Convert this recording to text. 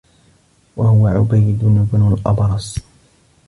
وَهُوَ عُبَيْدُ بْنُ الْأَبْرَصِ